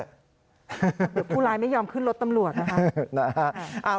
เดี๋ยวผู้ลายไม่ยอมขึ้นรถตำรวจนะคะ